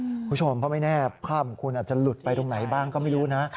คุณผู้ชมเพราะไม่แน่ภาพของคุณอาจจะหลุดไปตรงไหนบ้างก็ไม่รู้นะ